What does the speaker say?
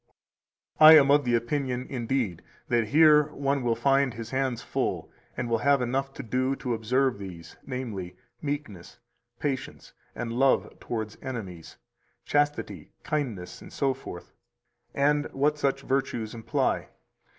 313 I am of opinion, indeed, that here one will find his hands full, [and will have enough] to do to observe these, namely, meekness, patience, and love towards enemies, chastity, kindness, etc., and what such virtues imply.